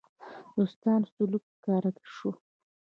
دوستانه سلوک ښکاره شو.